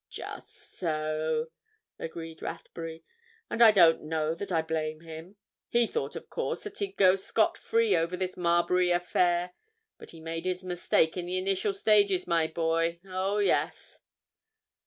"Just so," agreed Rathbury. "And I don't know that I blame him. He thought, of course, that he'd go scot free over this Marbury affair. But he made his mistake in the initial stages, my boy—oh, yes!"